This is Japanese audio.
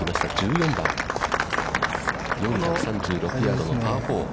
４３６ヤードのパー４。